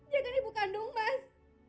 dia kan ibu kandung mas